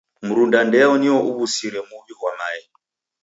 Mrunda ndeyo nio uw'usire muw'i ghwa mae.